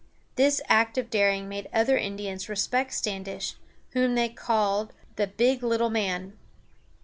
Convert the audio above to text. This act of daring made other Indians respect Standish, whom they called the "big little man."